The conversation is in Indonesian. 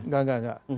enggak enggak enggak